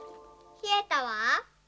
ひえたわ。